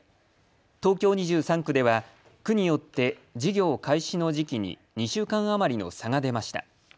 東京２３区では区によって授業開始の時期に２週間余りの差が出ました。